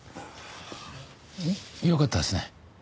よかったですね。